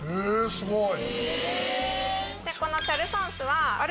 すごい。